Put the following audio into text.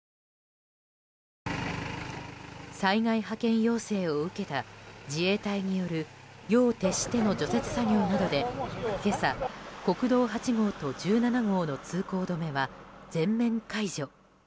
災害派遣要請を受けた自衛隊による夜を徹しての除雪作業などで今朝、国道８号と１７号の通行止めは全面解除。